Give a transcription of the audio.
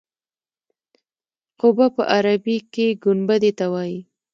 قبه په عربي کې ګنبدې ته وایي.